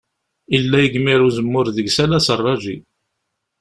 Ila igmir n uzemmur deg-s ala aserraǧi.